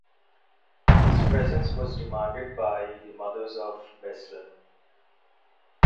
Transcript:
His presence was demanded by the Mothers of Beslan.